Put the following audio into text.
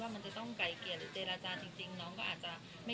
แล้วก็น้องบอกว่าถ้ามีถ้าสมมติว่ามันจะต้องไกลเกลียดหรือเจรจาจริง